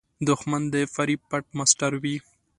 دښمن د فریب پټ ماسټر وي